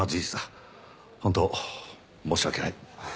本当申し訳ない。